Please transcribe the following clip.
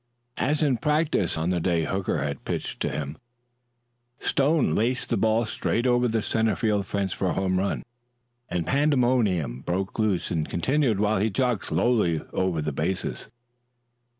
As in practice on the day Hooker had pitched to him, Stone laced the ball straight over the center field fence for a home run, and pandemonium broke loose and continued while he jogged slowly over the bases.